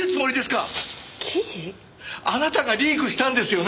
あなたがリークしたんですよね？